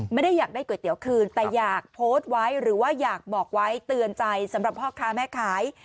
ไม่ได้อยากได้ก๋วยเตี๋ยวคืนแต่อยากโพสต์ไว้หรือว่าอยากบอกไว้เตือนใจสำหรับพ่อค้าแม่ขาย